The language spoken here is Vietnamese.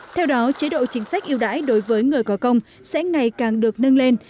theo đó chế độ chính sách yêu đãi đối với người có công sẽ ngày càng được nâng lên